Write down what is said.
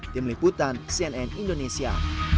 tim liputan cnn indonesia